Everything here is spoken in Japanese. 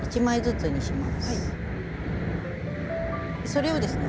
それをですね